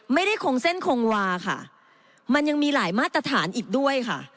ไม่ได้คงเส้นคงวาค่ะมันยังมีหลายมาตรฐานอีกด้วยค่ะ